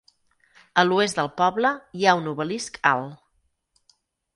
A l'oest del poble hi ha un obelisc alt.